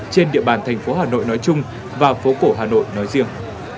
trên địa bàn thành phố hà nội nói chung và phố cổ hà nội nói riêng